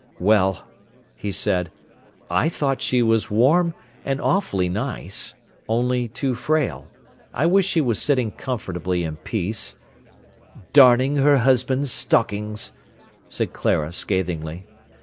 "Well," he said, "I thought she was warm, and awfully nice—only too frail. I wished she was sitting comfortably in peace—" "'Darning her husband's stockings,'" said Clara scathingly.